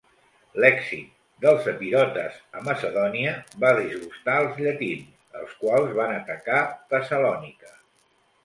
L'èxit dels epirotes a Macedònia va disgustar els llatins, els quals van atacar Tessalònica.